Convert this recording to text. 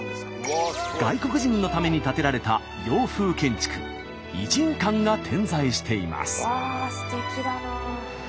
外国人のために建てられた洋風建築異人館が点在しています。